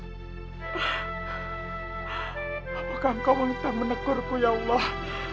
apakah engkau mengetah menegurku ya allah